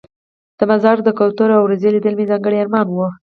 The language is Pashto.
د مزار د کوترو او روضې لیدل مې ځانګړی ارمان و.